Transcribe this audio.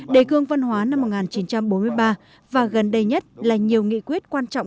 đề cương văn hóa năm một nghìn chín trăm bốn mươi ba và gần đây nhất là nhiều nghị quyết quan trọng